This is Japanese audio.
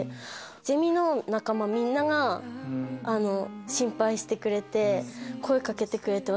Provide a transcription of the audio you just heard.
ゼミの仲間みんなが心配してくれて声掛けてくれて。